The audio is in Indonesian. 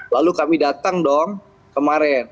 lalu kami datang dong kemarin